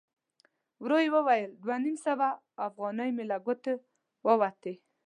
ورو يې وویل: دوه نيم سوه اوغانۍ مې له ګوتو ووتې!